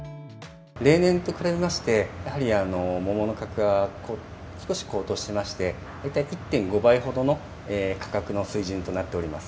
例年と比べまして、やはり、桃の価格が少し高騰していまして、大体１．５倍ほどの価格の水準となっております。